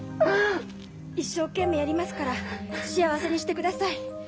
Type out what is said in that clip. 一生懸命やりますから幸せにしてください。